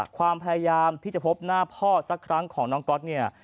ความพยายามที่จะพบหน้าพ่อสักครั้งของน้องก๊อตเนี่ย